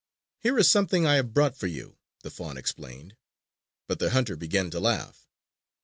"Here is something I have brought for you," the fawn explained. But the hunter began to laugh.